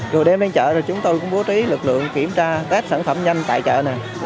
rồi đem đến chợ thì chúng tôi cũng bố trí lực lượng kiểm tra các sản phẩm nhanh tại chợ này